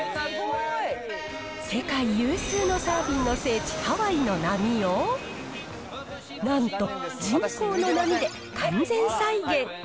世界有数のサーフィンの聖地、ハワイの波を、なんと人工の波で完全再現。